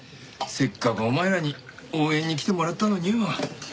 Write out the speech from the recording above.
せっかくお前らに応援に来てもらったのによ。